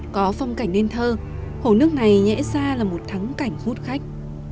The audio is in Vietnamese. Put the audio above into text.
có phong cảnh nên thơ hồ nước này nhẽ ra là một thắng cảnh hút khách